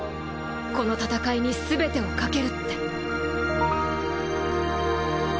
この戦いにすべてをかけるって